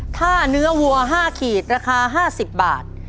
ถ้าเนื้อวัว๕ขีดราคา๕๐บาท